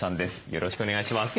よろしくお願いします。